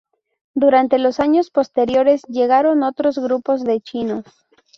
Durante los años posteriores llegaron otros grupos de chinos.